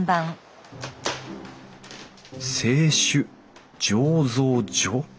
「清酒醸造所」？